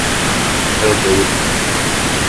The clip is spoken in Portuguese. herdeiro